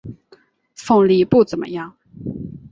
凤梨不怎么样